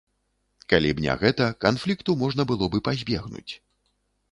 Калі б не гэта, канфлікту можна было б і пазбегнуць.